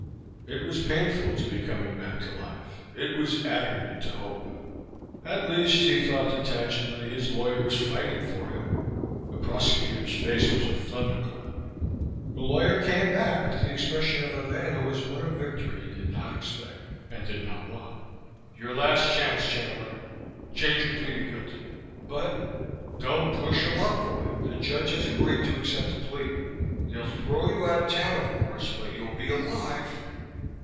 It was painful to be coming back to life. It was agony to hope. At least, he thought detachedly, his lawyer was fighting for him; the prosecutor's face was a thundercloud. The lawyer came back, with the expression of a man who has won a victory he did not expect, and did not want. "Your last chance, Chandler. Change your plea to guilty." "But " "Don't push your luck, boy! The judge has agreed to accept a plea. They'll throw you out of town, of course. But you'll be alive."